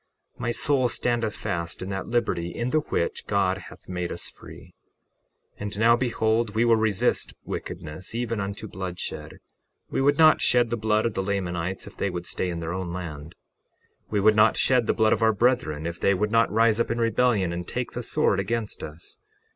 My soul standeth fast in that liberty in the which God hath made us free. 61:10 And now, behold, we will resist wickedness even unto bloodshed. We would not shed the blood of the Lamanites if they would stay in their own land. 61:11 We would not shed the blood of our brethren if they would not rise up in rebellion and take the sword against us.